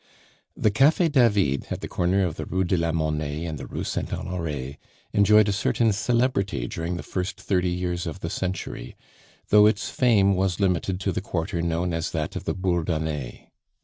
The Cafe David, at the corner of the Rue de la Monnaie and the Rue Saint Honore, enjoyed a certain celebrity during the first thirty years of the century, though its fame was limited to the quarter known as that of the Bourdonnais.